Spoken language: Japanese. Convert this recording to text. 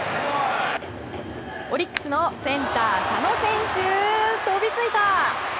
オリックスのセンター、佐野選手飛びついた！